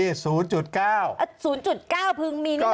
๐๙พึงมีนี่มันกี่คนนะ